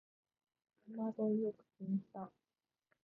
戸惑いを口にした